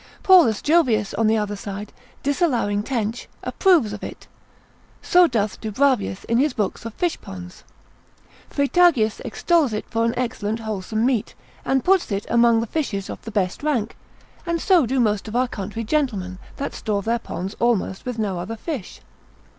Paulus Jovius on the other side, disallowing tench, approves of it; so doth Dubravius in his Books of Fishponds. Freitagius extols it for an excellent wholesome meat, and puts it amongst the fishes of the best rank; and so do most of our country gentlemen, that store their ponds almost with no other fish.